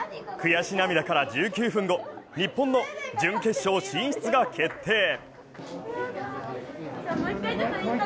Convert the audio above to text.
悔し涙から１９分後、日本の準決勝進出が決定！